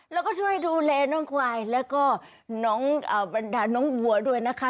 แล้วก็ช่วยดูแลน้องควายแล้วก็น้องบรรดาน้องวัวด้วยนะคะ